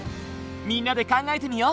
みんなで考えてみよう！